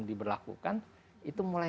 diberlakukan itu mulai